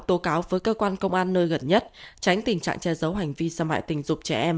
tố cáo với cơ quan công an nơi gần nhất tránh tình trạng che giấu hành vi xâm hại tình dục trẻ em